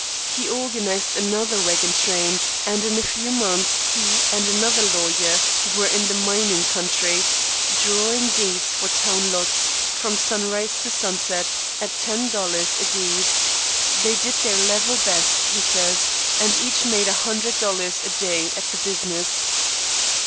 He organized another wagon train, and in a few months he and another lawyer were in the mining country, drawing deeds for town lots, from sunrise to sunset, at ten dollars a deed. They did their "level best," he says, and each made a hundred dollars a day at the business.